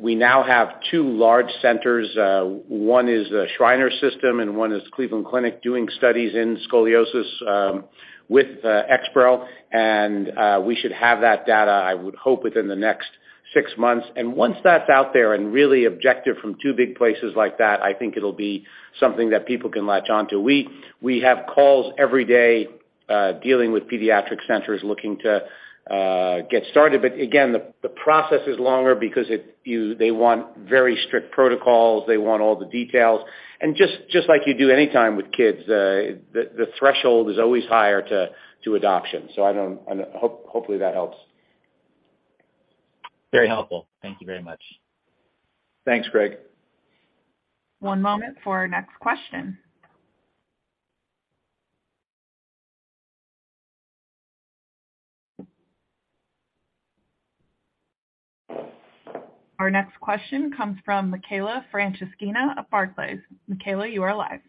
we now have two large centers. One is the Shriners system and one is Cleveland Clinic doing studies in scoliosis with EXPAREL. We should have that data, I would hope, within the next six months. Once that's out there and really objective from two big places like that, I think it'll be something that people can latch onto. We have calls every day, dealing with pediatric centers looking to get started. Again, the process is longer because they want very strict protocols. They want all the details. Just like you do anytime with kids, the threshold is always higher to adoption. I don't hopefully that helps. Very helpful. Thank you very much. Thanks, Greg. One moment for our next question. Our next question comes from Mikaela Franceschina of Barclays. Mikaela, you are live.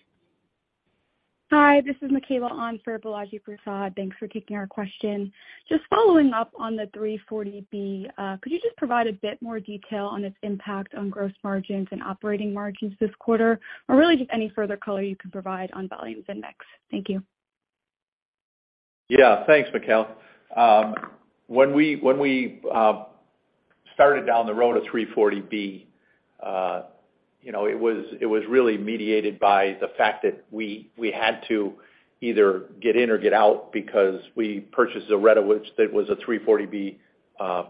Hi, this is Mikaela on for Balaji Prasad. Thanks for taking our question. Just following up on the 340B, could you just provide a bit more detail on its impact on gross margins and operating margins this quarter? Or really, just any further color you can provide on volumes and mix. Thank you. Yeah. Thanks, Mikaela. When we started down the road of 340B, you know, it was really mediated by the fact that we had to either get in or get out because we purchased ZILRETTA, which it was a 340B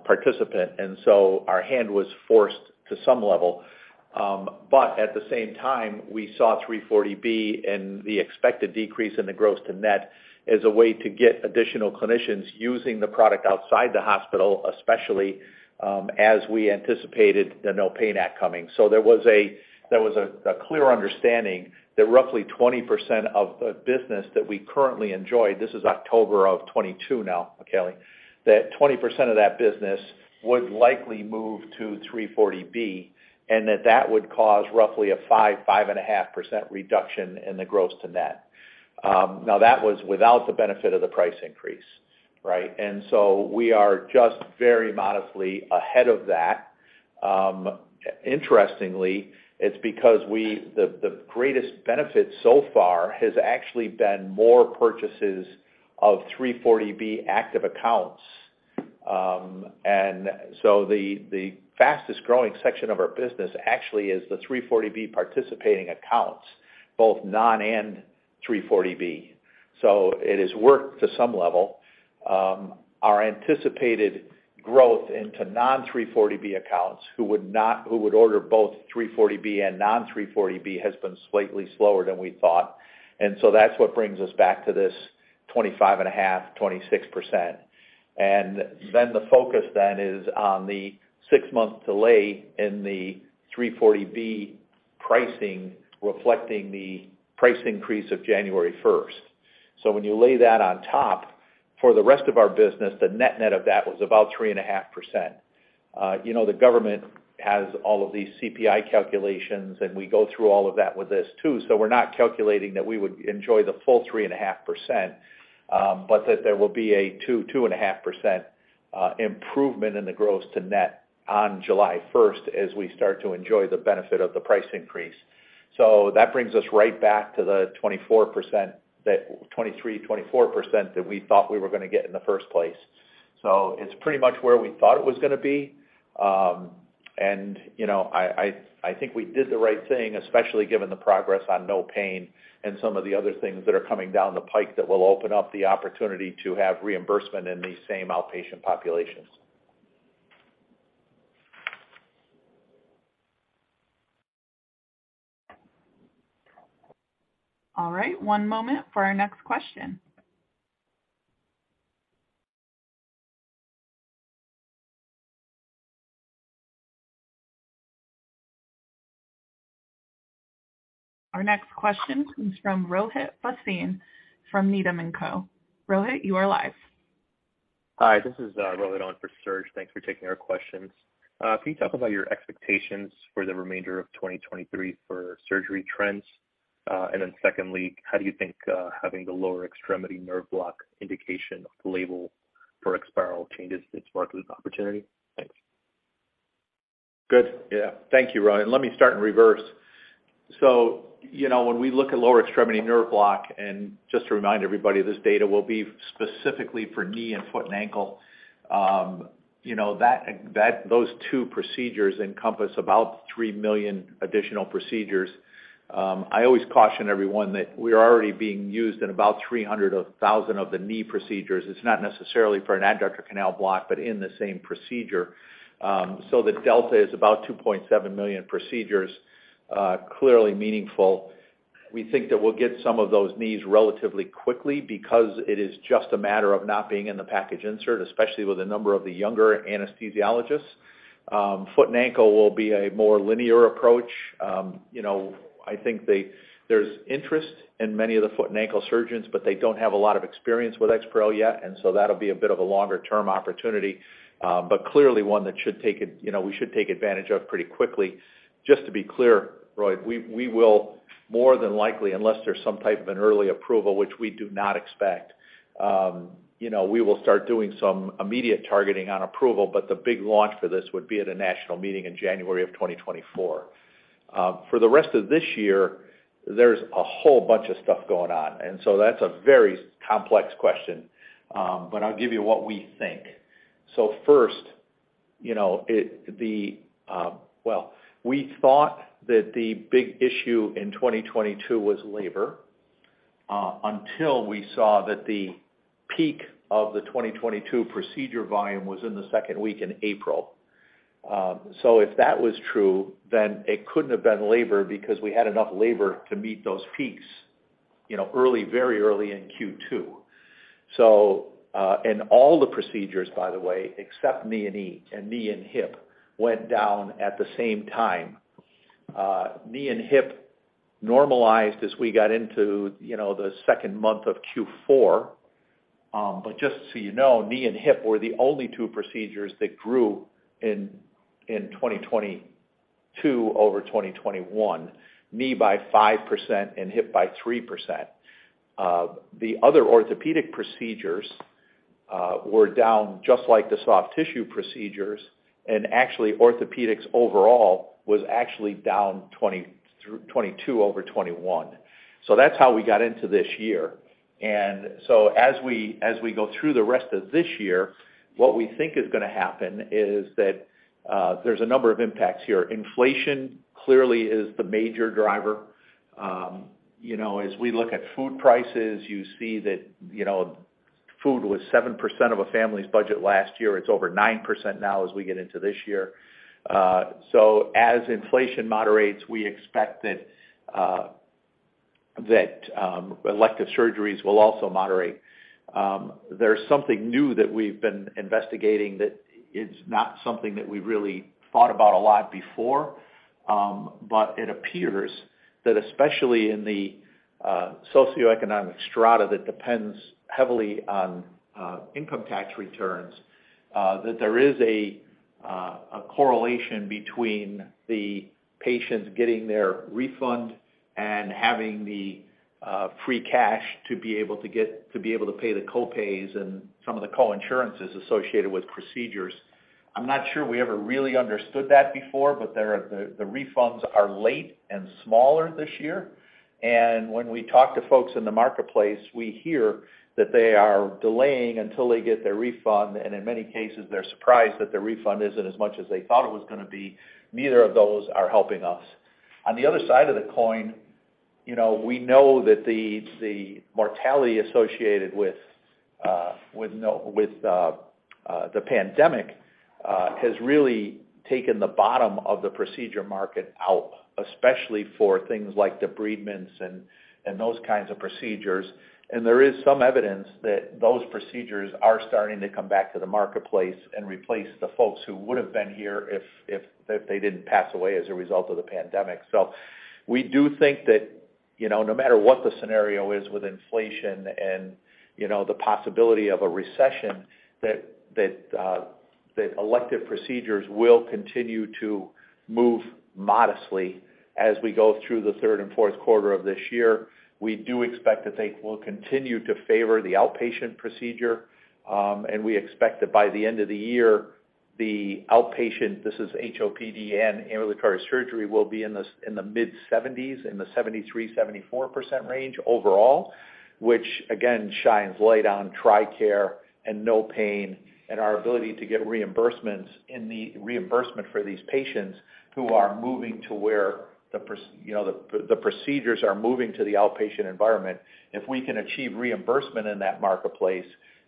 participant. Our hand was forced to some level. At the same time, we saw 340B and the expected decrease in the gross to net as a way to get additional clinicians using the product outside the hospital. Especially as we anticipated the NOPAIN Act coming. There was a clear understanding that roughly 20% of the business that we currently enjoy, this is October 2022 now, Kelly, that 20% of that business would likely move to 340B, and that would cause roughly a 5%-5.5% reduction in the gross to net. Now that was without the benefit of the price increase, right? We are just very modestly ahead of that. Interestingly, it's because the greatest benefit so far has actually been more purchases of 340B active accounts. The fastest growing section of our business actually is the 340B participating accounts, both non and 340B. It has worked to some level. Our anticipated growth into non-340B accounts, who would order both 340B and non-340B, has been slightly slower than we thought. That's what brings us back to this 25.5, 26%. The focus then is on the 6-month delay in the 340B pricing, reflecting the price increase of January 1st. When you lay that on top, for the rest of our business, the net-net of that was about 3.5%. You know, the government has all of these CPI calculations, and we go through all of that with this too. We're not calculating that we would enjoy the full 3.5%, but that there will be a 2%-2.5% improvement in the gross-to-net on July 1st as we start to enjoy the benefit of the price increase. That brings us right back to the 23%-24% that we thought we were gonna get in the first place. It's pretty much where we thought it was gonna be. you know, I think we did the right thing, especially given the progress on NOPAIN and some of the other things that are coming down the pike that will open up the opportunity to have reimbursement in these same outpatient populations. All right. One moment for our next question. Our next question comes from Rohit Bhasin from Needham and Co. Rohit, you are live. Hi, this is Rohit on for Serge. Thanks for taking our questions. Can you talk about your expectations for the remainder of 2023 for surgery trends? Secondly, how do you think having the lower extremity nerve block indication of the label for EXPAREL changes its market opportunity? Thanks. Good. Yeah. Thank you, Rohit. Let me start in reverse. You know, when we look at lower extremity nerve block, and just to remind everybody, this data will be specifically for knee and foot and ankle. You know, those two procedures encompass about three million additional procedures. I always caution everyone that we are already being used in about 300,000 of the knee procedures. It's not necessarily for an adductor canal block, but in the same procedure. The delta is about 2.7 million procedures, clearly meaningful. We think that we'll get some of those knees relatively quickly because it is just a matter of not being in the package insert, especially with a number of the younger anesthesiologists. Foot and ankle will be a more linear approach. you know, I think there's interest in many of the foot and ankle surgeons, but they don't have a lot of experience with EXPAREL yet, that'll be a bit of a longer-term opportunity. Clearly one that should take, you know, we should take advantage of pretty quickly. Just to be clear, Rohit, we will more than likely, unless there's some type of an early approval, which we do not expect, you know, we will start doing some immediate targeting on approval, the big launch for this would be at a national meeting in January of 2024. For the rest of this year, there's a whole bunch of stuff going on, that's a very complex question. I'll give you what we think. First, you know, the... We thought that the big issue in 2022 was labor, until we saw that the peak of the 2022 procedure volume was in the second week in April. If that was true, then it couldn't have been labor because we had enough labor to meet those peaks, you know, early, very early in Q2. And all the procedures, by the way, except knee and hip, went down at the same time. Knee and hip normalized as we got into, you know, the second month of Q4. Just so you know, knee and hip were the only two procedures that grew in 2022 over 2021, knee by 5% and hip by 3%. The other orthopedic procedures were down just like the soft tissue procedures, and actually orthopedics overall was actually down 22 over 21. That's how we got into this year. As we go through the rest of this year, what we think is gonna happen is that there's a number of impacts here. Inflation clearly is the major driver. You know, as we look at food prices, you see that, you know, food was 7% of a family's budget last year. It's over 9% now as we get into this year. As inflation moderates, we expect that elective surgeries will also moderate. There's something new that we've been investigating that is not something that we really thought about a lot before. It appears that especially in the socioeconomic strata that depends heavily on income tax returns, that there is a correlation between the patients getting their refund and having the free cash to be able to pay the co-pays and some of the co-insurances associated with procedures. I'm not sure we ever really understood that before, but the refunds are late and smaller this year. When we talk to folks in the marketplace, we hear that they are delaying until they get their refund, and in many cases, they're surprised that their refund isn't as much as they thought it was gonna be. Neither of those are helping us. On the other side of the coin, you know, we know that the mortality associated with with the pandemic has really taken the bottom of the procedure market out, especially for things like debridements and those kinds of procedures. There is some evidence that those procedures are starting to come back to the marketplace and replace the folks who would have been here if they didn't pass away as a result of the pandemic. We do think that, you know, no matter what the scenario is with inflation and, you know, the possibility of a recession, that elective procedures will continue to move modestly as we go through the third and fourth quarter of this year. We do expect that they will continue to favor the outpatient procedure. We expect that by the end of the year, the outpatient, this is HOPD, ambulatory surgery, will be in the mid-70s, in the 73%-74% range overall, which again shines light on TRICARE and NOPAIN and our ability to get reimbursements, the reimbursement for these patients who are moving to where you know, the procedures are moving to the outpatient environment. If we can achieve reimbursement in that marketplace,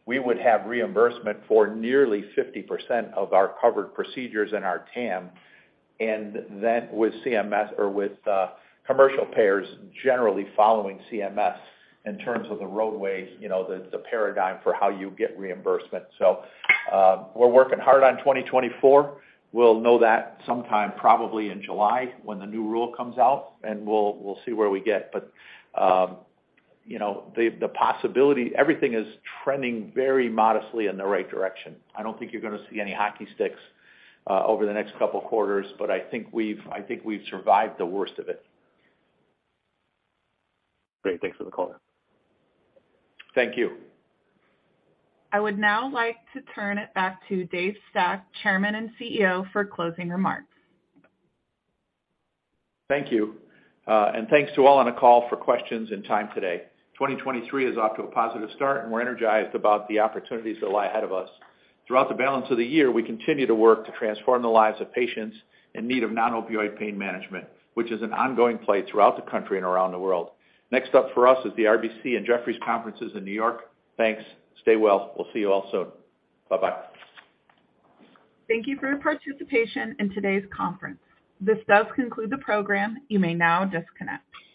we would have reimbursement for nearly 50% of our covered procedures in our TAM. With CMS or with commercial payers generally following CMS in terms of the roadways, you know, the paradigm for how you get reimbursement. We're working hard on 2024. We'll know that sometime probably in July when the new rule comes out, we'll see where we get. You know, the possibility, everything is trending very modestly in the right direction. I don't think you're gonna see any hockey sticks over the next couple quarters, I think we've survived the worst of it. Great. Thanks for the call. Thank you. I would now like to turn it back to David Stack, Chairman and CEO, for closing remarks. Thank you. Thanks to all on the call for questions and time today. 2023 is off to a positive start, and we're energized about the opportunities that lie ahead of us. Throughout the balance of the year, we continue to work to transform the lives of patients in need of non-opioid pain management, which is an ongoing play throughout the country and around the world. Next up for us is the RBC and Jefferies conferences in New York. Thanks. Stay well. We'll see you all soon. Bye-bye. Thank you for your participation in today's conference. This does conclude the program. You may now disconnect.